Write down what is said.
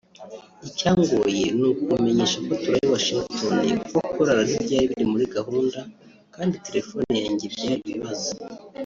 icyangoye ni ukumenyesha ko turaye Washington kuko kurara ntibyari biri muri gahunda kandi telephone yanjye byari ibibazo